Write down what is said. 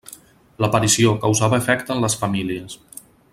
L'aparició causava efecte en les famílies.